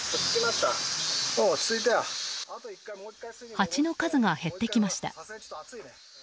ハチの数が減ってきました。